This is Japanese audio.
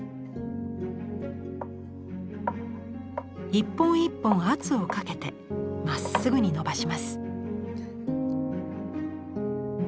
一本一本圧をかけてまっすぐにのばします。